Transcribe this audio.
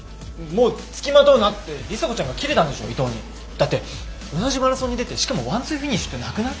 だって同じマラソンに出てしかもワンツーフィニッシュってなくない？